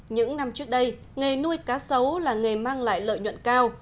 những năm trước đây nghề nuôi cá sấu là nghề mang lại lợi nhuận cao